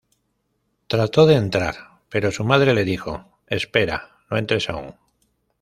Trató de entrar, pero su madre le dijo: "Espera, no entres aún.